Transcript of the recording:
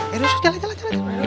yaudah ustaz jalan jalan